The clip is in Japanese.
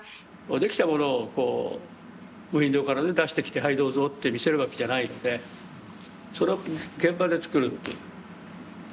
できたものをこうウインドーから出してきてはいどうぞって見せるわけじゃないのでそれを現場でつくるという。